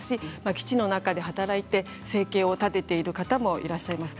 基地の中で働いて生計を立てている方もいらっしゃいます。